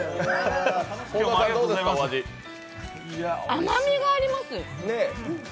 甘みがあります。